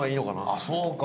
あっそうか！